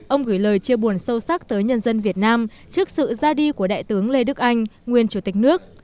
ông gửi lời chia buồn sâu sắc tới nhân dân việt nam trước sự ra đi của đại tướng lê đức anh nguyên chủ tịch nước